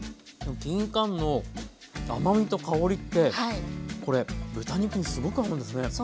きんかんの甘みと香りってこれ豚肉にすごく合うんですね。